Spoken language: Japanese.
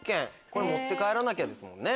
これ持って帰らなきゃですね。